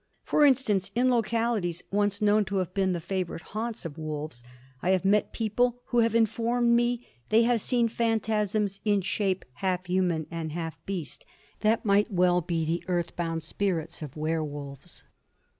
For instance, in localities once known to have been the favourite haunts of wolves, I have met people who have informed me they have seen phantasms, in shape half human and half beast, that might well be the earth bound spirits of werwolves.